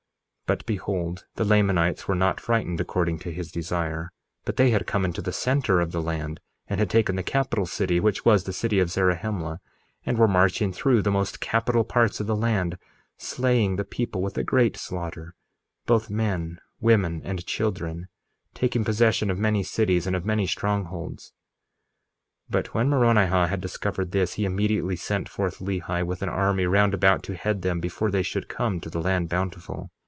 1:27 But behold, the Lamanites were not frightened according to his desire, but they had come into the center of the land, and had taken the capital city which was the city of Zarahemla, and were marching through the most capital parts of the land, slaying the people with a great slaughter, both men, women, and children, taking possession of many cities and of many strongholds. 1:28 But when Moronihah had discovered this, he immediately sent forth Lehi with an army round about to head them before they should come to the land Bountiful.